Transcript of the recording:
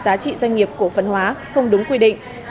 giá trị doanh nghiệp cổ phần hóa không đúng quy định